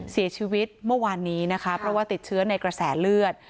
เสียชีวิตเมื่อวานนี้นะคะเพราะว่าติดเชื้อในกระแสเลือด